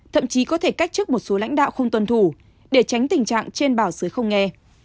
thậm chí có thể cách chức một số lãnh đạo không tuân thủ để tránh tình trạng trên bảo xứ không nghe